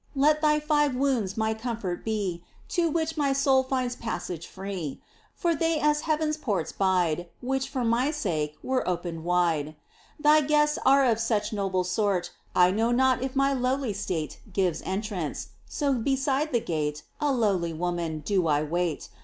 Let Thy five wounds my comfort be To which my soul finds passage free. For they as heaven's portals bide Which, for my sake, were opened wide. Thy guests are of such noble sort I know not if my lowly state Gives entrance, so beside the gate, A lowly woman, do I wait.